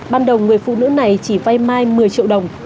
ban đầu người phụ nữ này chỉ vay mai một mươi triệu đồng